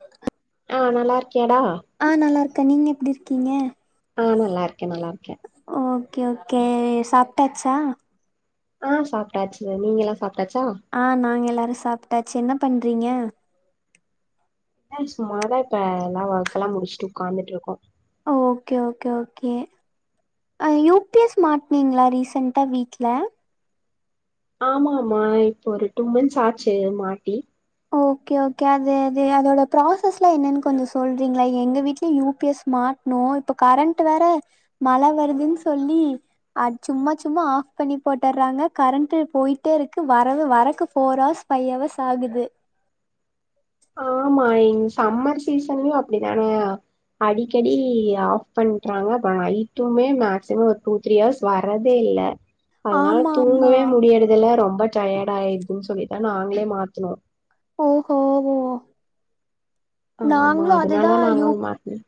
ஆ ஆ நல்லா இருக்கேயாடா கா நீங்க எப்படி இருக்கீங்க ஆ நல்லா இருக்கே நல்லா இருக்க ஓகே ஓகே சாப்ட்டாச்சா ஆ சாப்ட்டாச்சு நீங்கல்லா சாப் ஆ நாங்க எல்லாரும் சாப்ட்டாச்சு என்ன பண்றீங்க சும்மாதா இப்ப எல்லா ஒர்க்க எல்லா முடிச்சுட்டு உட்கார்ந்துட்டு இருக்கோ okay okay okay U P S மாட்டனீங்களா ரீசன்டா வீட்ல ஆமா மா இப்ப ஒரு டூ மந்த்ஸ் ஆச்சு மாட்டி ஓகே ஓகே அது அது அதோட ப்ராசஸ்லா என்னன்னு கொஞ்ச சொல்றீங்களா எங்க வீட்டுலயு யூ பி எஸ் ம மாட்டனு இப்ப கரண்ட் வேற மழ வருதுன்னு சொல்லி அ சும்மா சும்மா ஆஃப் பண்ணி போட்டுறாங்க கரண்ட் போயிட்டே இருக்கு வரவு வரக்கு ஃபோர் ஹர்ஸ் ஃபைவ் ஹார்ஸ் ஆகுது ஆமா சம்மர் சீசன்லயு அப்படித்தான அடிக்கடி ஆஃப் பண்றாங்க அப்ப நைட்டுமே மேக்சிமம் ஒரு டூ த்ரீ ஹர்ஸ் வரதே இல்ல அதனால ஆமா ஆமா தூங்கவே முடியறதுல ரொம்ப டயர்ட் ஆயிடுதுன்னு சொல்லிதா நாங்களே மாத்தினோ ஓ ஒ ஆமா நாங்களு அதுதா அதனால நாங்க யூ மாத்துனோ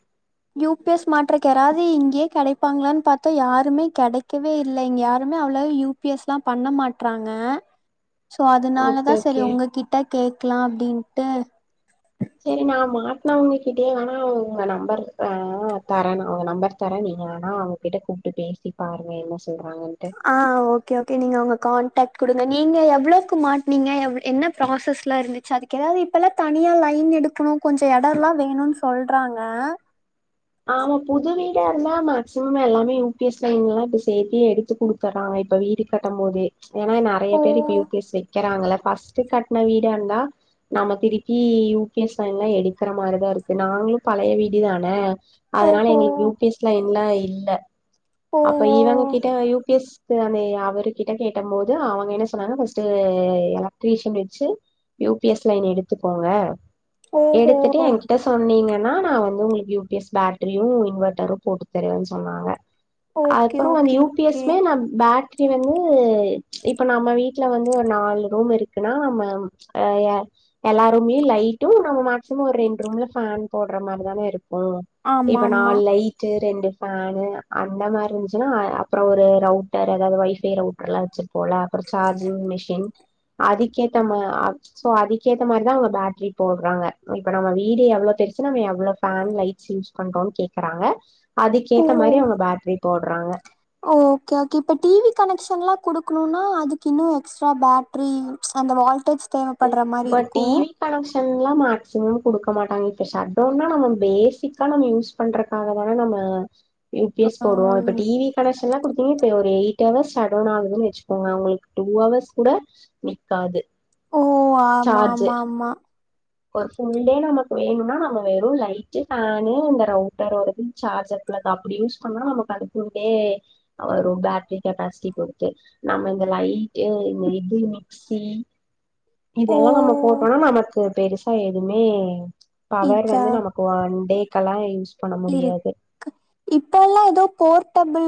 யூ பி எஸ் மாற்றதுக்கு யாராது இங்கே கிடைப்பாங்களான்னு பத்தா யாருமே கிடைக்கவே இல்ல இங்க யாரு அவ்வளவு யூ பி எஸ்லா பண்ண மாட்டறாங்க சோ ஓகே அதனாலதா சரி ஓகே உங்ககிட்ட கேக்லா அப்படின்ட்டு சரி நா மாட்னவங்ககிட்டே வேணா உங்க நம்பர் ஆ தர நா உங்க நம்பர் தர நீ நீங்க வேணா அவங்ககிட்ட கூப்ட்டு பேசி பாருங்க என்ன சொ ஆ ஓகே ஓகே நீங்க அவங்க கான் டக்ட் குடுங்க நீங்க எவ்ளோக்கு மாட்னீங்க எவ் என்ன ப்ராசஸ்லா இருந்துச்சு அதுக் எதாவது இப்பல்லா தனியா லை தீன் எடுக்கணு கொஞ்சொ எடோல்லா வேணுனு சொல்றாங்க. ஆமா புது வீடா இருந்தா மேக்சிமம் எல்லாமே யூ பி எஸ் லைன் எல்லா இப்ப சேர்த்தி எடுத்து குடுத்தறாங்க. இப்ப வீடு கட்டம் போதே ஏனா நறைய ஓ பேரு இப்ப யு பி எஸ் வைக்கிறாங்கள ஃபஸ்ட்டு கட்ன வீடா இருந்தா நம்ம திருப்பி யூ பி எஸ் லைன்லா எடுக்கிற மாரிதா இருக்கு நாங்களும் பழைய வீடு தான அதனால ஓஹோ எங்களுக்கு யூ பி எஸ் லா எல்லா இல்ல ஓ அப்ப இவங்க கிட்ட யூ பி எஸ் த்து அந்நே அவரு கிட்ட கேட்டம்போது அவங்க என்ன சொன்னாங்க ஃபஸ்டு எலக்ட்ரீஷியன் வச்சு யூ பி எஸ் லைன் எடுத்துக்கோங்க. ஓ ஓஹோ எடுத்துட்டு என்கிட்ட சொன்னீங்கன்னா நா வந்து உங்களுக்கு யூ பி எஸ் பேட்ரியும் இன்வெர்டரும் போட்டு தருவேன்னு சொன்னாங்க. ஓகே அதுப்பறொ அந்த okay U P okay S மே நா பேட் ட்ரி வந்து இப்ப நம்ம வீட்டுல வந்து ஒரு நாலு ரூம் இருக்குன்னா நம்ம அ எ எல்லா ரூம்லயு லைட்டும் நம்ம மேக்சிமொ ஒரு ரெண்டு ரூம்ல ஃபேன் போடுற மாரி தானே இருக்கும் ஆமா இப்ப ஆமா நாலு லைட்டு ரெண்டு ஃபேன் அந்த மாரி இருந்ச்சுன்னா அ அப்பறொ ஒரு ரவுட்டர் அதாவது ஒய்ஃபை ரவுட்டர்ல்லா வச்சுருப்போல ஒரு சார்ஜிங் மிஷின் அதுக்கேத்த மா அப்போ அதுக்கேத்த மாரிதா அவங்க பேட்டரி போடுறாங்க இப்ப நம்ம வீடு எவ்ளோ பெ ருசுனா நம எவ்ளோ ஃபேன் லைட்ஸ் யூஸ் பண்றோம்னு கேக்குறாங்க. ஓ அதுக்கேத்த மாரி அவங்க பேட்ரி போடுறாங்க ஓகே ஓகே இப்ப டி வி கனக்ஷ் ன்ல்லா குடுக்கணுனா அதுக்கு இன்னு எக்ஸ்ட்ரா பேட்டரி அந்த வால்டேஜ் தேவப்படுற மாரி இருக்கு ல்லாம் மேக்சிமம் குடுக்க மாட்டாங்க இப்ப ஸட்டவுன்னா நம்ம பேசிக்கா நம்ம யூஸ் பண்றக்காக தான நம்ம ப யூ பி எஸ் போடுவோ இப்ப டி வி கனெக்ஷன்ல்லா குடுத்தீங்கனா தேவ எயிட் ஹவர்ஸ் சடன் ஆகுதுன்னு வச்சுக்கோங்க அவங்களுக்கு டூ அவர்ஸ் கூட நிக்காது. ஓ ஆமா சார்ஜு ஆமா ஆமா ஒரு ஃபுல் டே நமக்கு வேணும்னா நம்ம வெறும் லைட் ஃபேனு இந்த ரவுட்டர் ஒருது சார்ஜர் கது அப்டி யூஸ் பண்ணா நமக்கு அதுக்கு கே அ ஒரு பேட்டரி கெப்பாசிட்டி குடுத்து நம்ம இந்த லைட்டு இந்த இது மிக்சி ஓ இதெல்லா நம்ம போட்டோனா நமக்கு பெருசா எதுவுமே பவர் வந்து நமக்கு ஒன் டேக்கெல்லா இன்ஸ் இருக்கு இப்பல்லா எதோ four double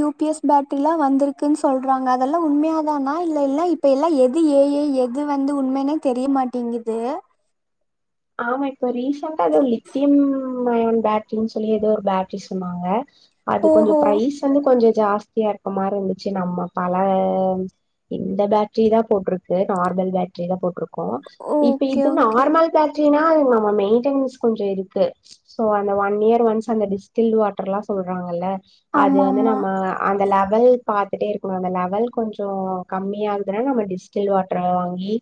U P S பேட்டரில்லா வந்திருக்குன்னு சொல்றாங்க அதெல்லா உண்மையா தானா இல்ல இல்ல இப்ப எல்லா எது ஏ ஐ எது வந்து உண்மைனே தெரியமாட்டேங்குது. ஆமா இப்ப ரீசெண்ட்டா எதோ லித்திம் ம்மயம் பேட்ரினு சொல்லி எதோ ஒரு பேட்ரி சொன்னாங்க அது கொஞ்சொ ஓஹோ ப்ரைஸ் வந்து கொஞ்சொ ஜாஸ்தியா இருக்க மார் இருந்துச்சு நம்ம பல இந்த பேட்டரிதா போட்டிருக்கு நார்ம ந்தல் பேட்டரிதா போட்டிருக்கோ இப்ப ஓகே இது ஓகே நார்மல் த்தியனா நமம மெய்ன்டைன்ஸ் கொஞ்சொ இருக்கு சோ அந்த ஒன் இயர் ஒன்ஸ் வந்து டிஸ்ட்டில் வாட்டர்லா சொ சொல்றாங்கல்ல அது ஆமா வந்து ஆமா நம்ம அந்த லெவல் பாத்துட்டே இருக்கணு அந்த லெவல் கொஞ்சொ கம்மியா இருந்தொனே நம்ம டிஸ்ட்டில் வாட்டர் வாங்கி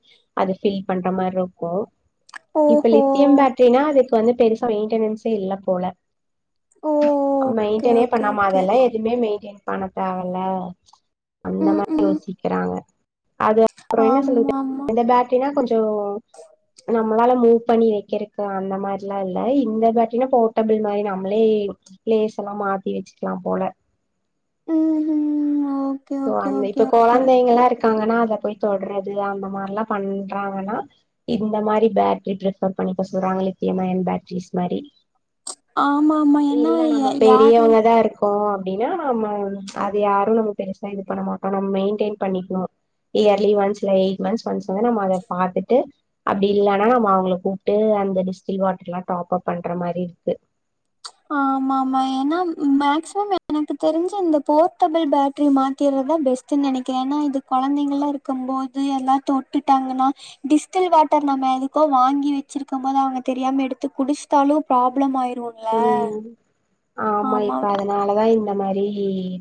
அது ஃபில் பண்ற மார்ருக்கு இப்ப ஓஹோ லித்தியம் பேட்டரினா அதுக்கு வந்து பெருசா மெயின்டெனன்ஸே இல்ல போல ஓ ஓகே மெயின்டெனே ஓகே பண்ணாம ஓகே அதெல்லா எதுவுமே மெயின்டெய்ன் பண்ண தேவல்ல அந்த ம் மா [inaudible] ம் யோசிக்கறாங்க அது அப்றோ என்ன சொல்றது ஆமா ஆமா [inaudible] இந்த பேட்ரீனா கொஞ்சோ ந நம்மளால மூவ் பண்ணி வைக்கிறக்கு அந்த மாரில்லா இல்ல இந்த பேட்ரினா போர்ட்டபிள் மாரி நம்மளே ப்ளேஸ் எல்லா மாத்தி வெச்சுக்கலா போல. ம் ஹ்ம் ஒ சோ அந்த இப்ப கொழந்தைங்கலாருக் க்காங்கன்னா அத போய் தொட்றது அந்த மாரிலா பண்றாங்கன்னா இந்த மாரி [unintelligible] அனுப்ப சொல்றாங்க [unintelligible] பேட்ரீஸ் மாரி ஆமா ஆமா ஏன்னா இல்ல நம்ம யா- யாரு பெரியவங்கதாருக்கோ அப்டீனா நம்ம அது யாரு நம்ம பெருசா இது பண்ண மாட்டோ நம்ம மெயின்டெய்ன் பண்ணிக்ணு இயர்லி ஒன்ஸ் இல்ல எயிட் மந்தஸ் ஒன்ஸ் வந்து நம்ம அத பாத்துட்டு அப்டி இல்லனா நம்ம அவங்கள கூப்ட்டு அந்த டிஸ்டில் வாட்ருல்லா டாப்பப் பண்ற மாரி இருக்கு ஆமாமா ஏனா மேக்சிமம் எனக்கு தெரிஞ்சு இந்த போர்ட்டபுள் பேட்ரி மாத்திரு தா பெஸ்டுன் நெனைக்க ஏனா இது கொழந்தைங்கலா இருக்கம்போது எல்லா தொட்டுட்டாங்கன்னா டிஸ்ட்டல் வா வாட்டர் நம்ம எதுக்கோ வாங்கி வெச்சிருக்கம்போது அவுங்க தெரியாம எடுத்து குடிச்ட்டாலோ ப்ராப்ளம் ஆயிரு ம் ல ஆமா இப்ப அதனாலதா தா இந்த மாரி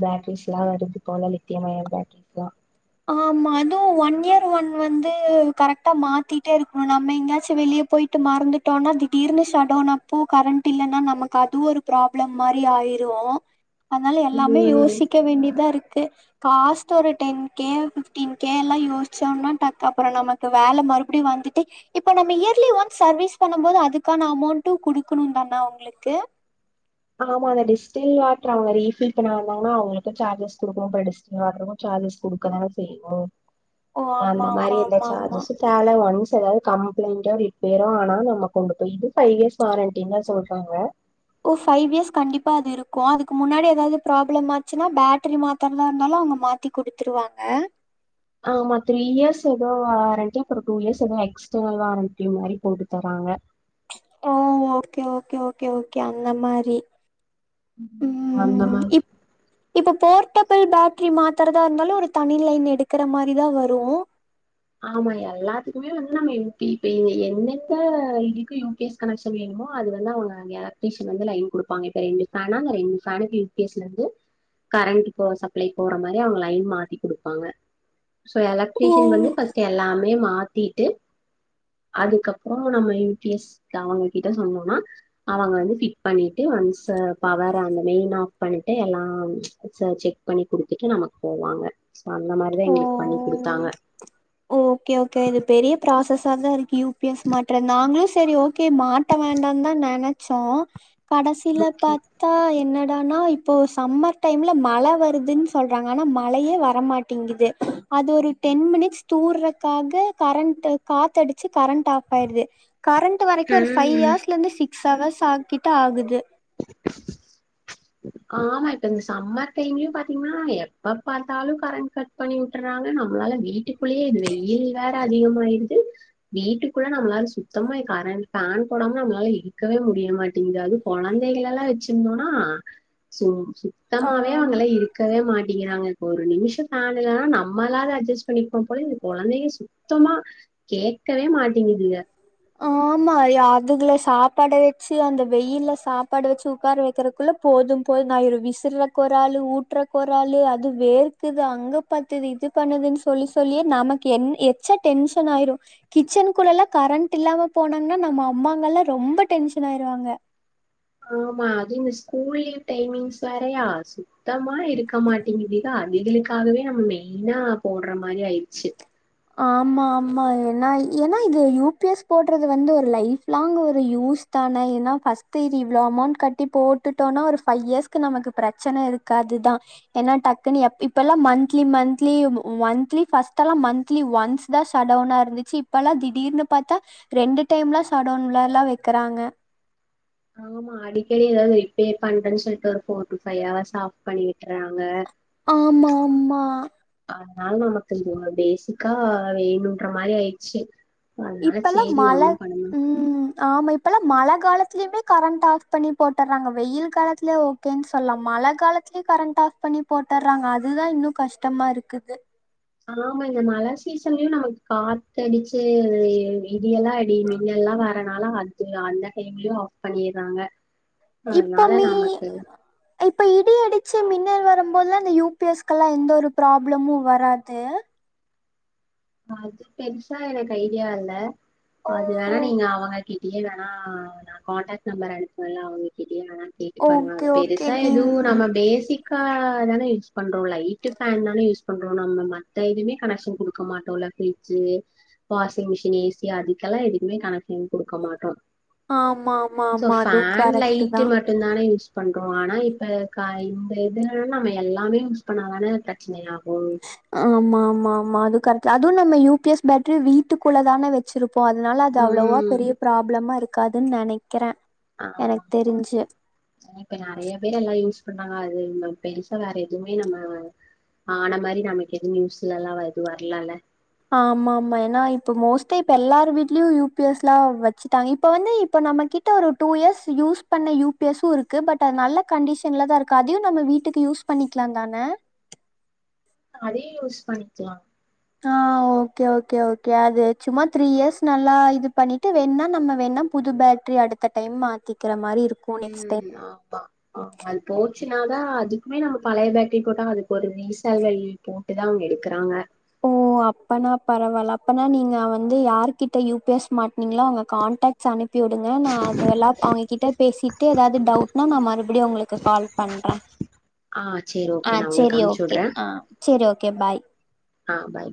பேட்ரீஸ்ல்லா வருது போல லித்தியமய பேட்ரீஸ்தா ஆமா அதுவு ஒன் இயர் ஒன் வந்து கரெக்டா மாத்திட்டேருக்குணு நம்ம எங்யாச்சு வெளிய போய் ட்டு மறந்துட்டோனா திடீர்னு சடோனப்போ கரண்ட் இல்லன்னா நமக்கு அது ஒரு ப்ராப்ளம் மாரி ஆயி ரு அனால எல்லாமே ம் யோசிக்க வேண்டிதா இருக்கு காஸ்ட் ஒரு டென் கே ஃபிஃப்டீன் கேலா யோச்சோனா டக் அப்றோ நமக்கு வேல மறுபடியு வந்துட்டு இப்ப நம்ம ஏ யர்லி ஒன்ஸ் சர்வீஸ் பண்ணம்போது அதுக்கான அமௌண்டு குடுக்கணு தானா அவுங்ளுக்கு ஆமா அந்த டிஷ்டெல் வாட்ரு அவுங்க ரீஃபில் பண்ண வந்தாங்கனா அவுங்களுக்கு சார்ஜஸ் குடுக்னு அப்றோ டிஷ்டெல் வாட்ருக்கு ஜா ர்ஜஸ் குடுக்கதான செய்வோ ஓ! அந்த ஆமா, மாரி ஆமா, எந்த ஆமா, ஆமா. சார்ஜஸு தேவல ஒன்ஸ் ஸ் எதாது கம்ப்ளைண்டோ ரிப்பேரோ ஆனா நம்ம கொண்டு போய் இது ஃபைவ் இயர்ஸ் வாரண்டீன்தா சொல்றாங்க கு ஃபைவ் இயர்ஸ் கண்டிப்பா அது இருக்கு அதுக்கு முன்னாடி எதாது ப்ராப்ளம் ஆச்சுனா பேட்டரி மாத்தரதாருந்தாலு அவுங்க மாத்தி குடுத்துருவாங்க ஆமா த்ரீ இயர்ஸ் எதோ வாரண்டி அப்றோ டூ இயர்ஸ் எதோ எக்ஸ்டர்னல் வாரண்டி மாரி போட்டு தராங் [unintelligible] ஓ ஓகே ஓகே ஓகே ஓகே அந்த மாரி ம் அந்த மாரி இப்ப போர்ட்டபுள் பேட்ரி மாத்தறதா இருந்தாலு ஒரு தனி லைன் எடுக்கற மாரிதா வரு ஆமா எல்லாத்துக்குமே வந்து நம்ம [unintelligible] என்னென்ன இதுக்கு யூபிஎஸ் கனெக்ஷன் வேணு மோ அது வந்து அவுங்க எலக்ட்ரீஷன் வந்து லைன் குடுப்பாங்க இப்ப ரெண்டு ஃபேனா அந்த ரெண்டு ஃபேன்க்கு யூபீஎஸ்லந்து கரண்ட் போ சப்ள போற மாரி அவுங்க லைன் மாத்தி குடுப்பாங்க சோ ஓ எலக்ட்ரீஷன் வந்து ஃபஸ்ட்டு எல்லாமே மாத்திட்டு அதுக்கப்றோ நம்ம யூபிஎஸ்க்கு அவுங்ககிட்ட சொன்னோனா அவங்க வந்து ஃபிட் பண்ணிட்டு ஒன்ஸு பவர் அந்த மெயின் ஆஃப் பண்ணிட்டு எல்லா ச செக் பண்ணி குடுத்துட்டு நமக் போவாங்க சோ அந்த மாரிதா எங்ளுக்கு பண்ணி குடுத்தாங்க ஓ ஓகே ஓகே இது பெரிய ப்ராசஸா தாருக்கு யூபிஎஸ் மாட்ற நாங்களு செரி ஓகே மாட்ட வே ண்டாந்தா நெனச்சோ கடசில ஓகே பாத்தா என்ன னா இப்போ சம்மர் டைம்ல மழ வருதுன் சொல்றாங்க ஆனா மழயே வரமாட்டேங்குது அது ஒரு டென் மினிட்ஸ் தூர்றக்காக கரண்ட் காத்தடிச்சு கரண்ட் ஆஃப் ஆயிருது கரண்ட் வரைக்கு ஒரு ஃபைவ் ம் ஆஸ்லந்து சிக்ஸ் ஹவர்ஸ் ஆக்கிட்ட ஆகுது ஆமா இப்ப இந்த சம்மர் டைம்லயு பாத்தீங்னா எப்ப பாத்தாலு கரண்ட் கட் பண்ணி உட்டுறா ங்க நம்ளால வீட்டுக்குள்ளயே இது வெயில் வேற அதிகமாயிருது வீட்டுக்குள்ள நம்ளால சுத்தமா கரண்ட் ஃபேன் போடாம நம்ளால இருக்கவே முடிய மாட்டிங்குது அது கொழந்தைகளலா வச்சிருந்தோனா சோ சுத்தமாவே ஆமா அவங்ள இருக்கவே மாட் ட்டிங்கிறாங்க ஒரு நிமிஷோ ஃபேன் இல்லனா நம்மளாது அட்ஜஸ் பண்ணிப்போ போல இந்த கொழந்தைக சுத்தமா கேக்கவே மாட் ஆமா யா இதுகள சாப்பாட வெச்சு அந்த வெயில்ல சாப்பாடு வச்சு உக்கார வைக்கறக்குள்ள போது போதுன் ஆயிரு விஸ் சிற க்கு ஒரு ஆளு ஊட்றக் ஒரு ஆளு அது வேர்க்குது அங்க பாத்தது இது பண்ணுதுன் சொல்லி சொல்லியே நமக்கு என் எச்ச டென்ஷன் ஆயிரு கிச்சன் கூடல்லா கரண்ட் இல்லாம போனாங்கன்னா நம்ம அம்மாங்கல்லா ரொம்ப டென்ஷன் ஆயிருவாங்க ஆமா அது இந்த ஸ்கூல் லீவ் டைமிங்ஸ் வேறையா சுத்தமா இருக்க மாட்டேங்குதுதா அதிகளுக்காகவே நம்ம மெயினா போடுற மாரி ஆயிடுச்சு ஆமா ஆமா என்ன ஏன்னா இது யூ பிஎஸ் போடுறது வந்து ஒரு லைப் லாங் ஒரு யூஸ் தான பஸ் இவ்ளோ அமௌண்ட் கட்டி போட்டுட்டோனா ஒரு ஃபைவ் இயர்ஸ்க்கு நமக்கு பிரச்சனை இருக்கா து தா எனா டக்குன்னனு இப்பல்லா மந்த்லி மந்த்லி மந்த்லி ஃபர்ஸ்ட் லா மந் ஒன்ஸ் தான் சடவுனா இருந்துச்சு இப்பல்லா திடீர்னு பார்த்தா ரெண்டு டைம்லா சடவுன்லல்லா வைக்க றாங்க ஆமா அடிக்கடி எதாவது ரிப்பேர் பண்றேன்னு சொல்ட்டு ஒரு four to five hours off பண்ணி விட்றாங்க ஆமா ஆமா அதனால நமக்கு பேசிக்கா வேணுன்ற மாரி ஆயிடுச்சு அதனால இப்பல்லா சேரி மழை ஒண்ணும் பண்ண ம் ம் ஆமா இப்பல்லா மழை காலத்திலயுமே கரண்ட் ஆஃப் பண்ணி போட்டுர்றாங்க வெயில் காலத்துிலயே ஓகேன்னு சொல்லலா பழ காலத்துிலயே கரண்ட் ஆஃப் பண்ணி போட்டுடுறாங்க அதுதான் இன்னும் கஷ்டமா இருக்குது ஆமா இந்த மழை சீசன்லயும் நமக் காத்து அடிச்சு இடியெல்லா இடி மின்னல் ல்ல வரனால அது அந்த டைம்லயும் ஆஃப் பண்ணிடுறாங்க ஆ ல இப்போ நால மீ நாமக்கு இப்ப இடி அடிச்சு மின்னல் வரும்போதுல இந்தந்த யூபிஎஸ்க்க எல்லா எந்த ஒரு ப்ராப்ளமும் வராது அது பெருசா எனக்கு ஐடியா இல்ல ஓ அது வேணா நீங்க அவங்க கிட் யே வேணா நா கான்டாக்ட் நம்பர் அனுப்புனனே அவங்களுக்கு னா கேட்டு பாருங்க ஓகே ஓகே பெருசா நீங் எதுவு நம்ம பேசிக் கா தான யூஸ் பண்றோ லைட் ஃபேன் தானே யூஸ் பண்றோ நம்ம மத்த இதுவுமே கனெக்ஷன் கொடுக்க மாட் ஃபிரிட்ஜு வாஷிங் மிஷின் ஏசி அதுக்கெல்லா எதுக்குமே கனெக்ஷன் கொடுக்க மாட்டோ ஆமா ஆமா சோ ஆமா அதுவு பேன் கரெக்ட்டு லைட் தா மட்டுும் தானே யூஸ் பண்றோ ஆனா இப்ப இந்த இது நம்ம எல்லாமே யூஸ் பண்ணாதான பிரச்சனையா ஆமா ஆமா ஆமா அது கரெக் அதுவு நம்ம யூ பிஎஸ் பேட்டரி வீட்டுக்குள்ள தானே வச்சிருக் இப்போ அதனால அது அவ்வளோவா ம் பெரிய ப்ராப்ளமா இருக்காதுன்னு நினைக்கிறே ஆமா ஆமா இப்ப நறைய பேரு எல்லாம் யூஸ் அப்பனா அதும பெருசா வேற எதுவுமே நம்ம ஆன மாரி நமக்கு எது நியூஸ்ல எல்லா இது வரலல ஆமா ஆமா ஏன்னா இப்ப மோஸ்ட்ல இப்ப எல்லார வீட்லயு யூ பி எஸ் லா வச்சுட்டாங்க இப்ப வந்து இப்ப நம்ம கிட்ட ஒரு டூ இயர்ஸ் யூஸ் பண்ண யூ பி எஸ் இருக்கு பட் அது நல்ல கண்டிஷன்ல தான் இருக்கு அதையும் நம்ம வீட்டு வீட்டுக்கு யூஸ் பண்ணிக்கலா தானே அதையு யூஸ் பண்ணிக்கலா ஆ ஓகே ஓகே ஓகே அது சும்மா த்ரீ இயர்ஸ் நல்லா இது பண்ணிட்டு வேணுா நம்ம வேணா புது பேட்ரி அடுத்த டைம் மாத்திக்கிட் ம் ஆமா ஆமா அது போச்சுனாதா அதுக்குமே நம்ம பழைய பேட்டரி போட்டா அதுக்கு ஒரு ரீசைல் போட்டு தான் அவங்க எடுக்கிறாங்க ஓ அப்பனா பரவால்ல அப்பனா நீங்க வந்து யார்கிட்ட யூ பி எஸ் மாட்னீங்கலோ அவங்க கான்ட்ட்ஸ் அனுப் பி விடுங்க நா அது எல்லா அவங்க கிட்ட பேசிட்டு எதாவது டவுட்னா நா மறுபடியடி உங்களுக்கு கால் பண்ற ஆ சேரி ஆ ஓகே நா உங்களுக்கு சரி அனுப்ச்சு ஓகே விடுறே ஆ சரி ஓகே பாய் ஆ பாய்